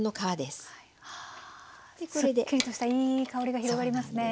すっきりとしたいい香りが広がりますね。